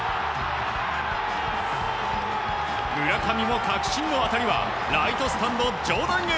村上も確信の当たりはライトスタンド上段へ。